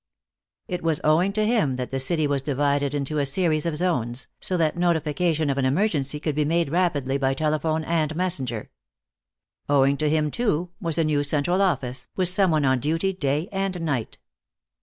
It was owing to him that the city was divided into a series of zones, so that notification of an emergency could be made rapidly by telephone and messenger. Owing to him, too, was a new central office, with some one on duty day and night.